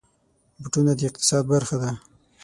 بوټونه د اقتصاد برخه ده.